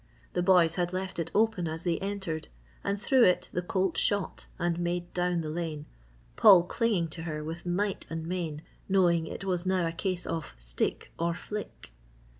The boys had left it open as they entered and through it the colt shot and made down the lane, Paul dinging to her with might and main, knowing it was now a case of "stick or flick."